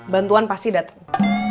bantuan pasti datang